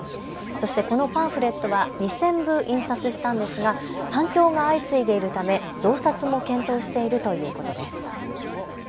そしてこのパンフレットは２０００部印刷したんですが反響が相次いでいるため増刷も検討しているということです。